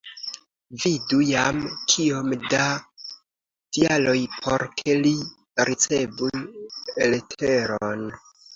Vidu jam kiom da tialoj por ke li ricevu leteron.